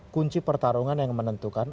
kunci pertarungan yang menentukan